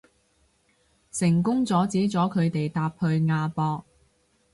成功阻止咗佢哋搭去亞博